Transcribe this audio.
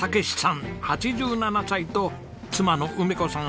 ８７歳と妻の梅子さん